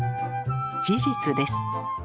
事実です。